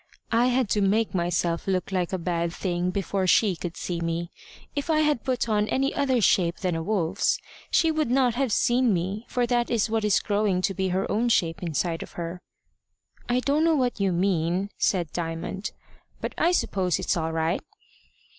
"I had to make myself look like a bad thing before she could see me. If I had put on any other shape than a wolf's she would not have seen me, for that is what is growing to be her own shape inside of her." "I don't know what you mean," said Diamond, "but I suppose it's all right."